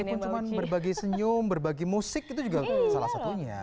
walaupun cuma berbagi senyum berbagi musik itu juga salah satunya